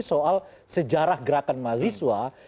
soal sejarah gerakan mahasiswa